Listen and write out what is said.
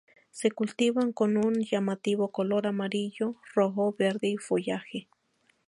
Se cultivan con un llamativo color amarillo, rojo y verde follaje.